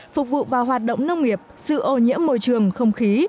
phục vụ vào hoạt động nông nghiệp sự ô nhiễm môi trường không khí